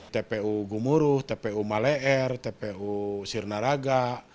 tpu gumuruh tpu malai r tpu sirna raga